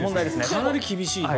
かなり厳しい。